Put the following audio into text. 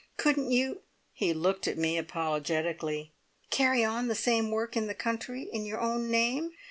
Couldn't you" he looked at me apologetically "carry on the same work in the country in your own name?